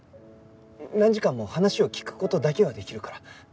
何時間も話を聞く事だけはできるから。